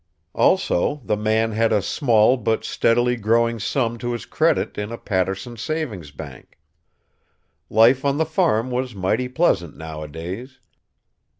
Also the man had a small but steadily growing sum to his credit in a Paterson savings bank. Life on the farm was mighty pleasant, nowadays.